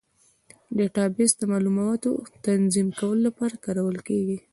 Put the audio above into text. ډیټابیس د معلوماتو تنظیم کولو لپاره کارول کېږي.